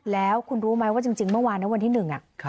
แล้วคุณรู้ไหมว่าจริงเมื่อวานนะวันที่หนึ่ง